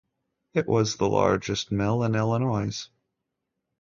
It was the largest mill in Illinois.